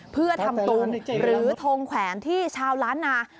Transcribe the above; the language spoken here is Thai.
เพื่อทำตุงหรือทงแขวนที่ชาวล้านนา